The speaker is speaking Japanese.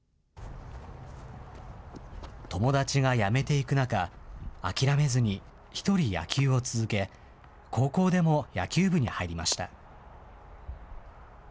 友達が辞めていく中、諦めずに一人野球を続け、高校でも野球部に入りました。